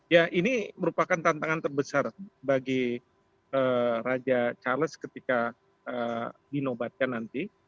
ya ini merupakan tantangan terbesar bagi raja charles ketika dinobatkan nanti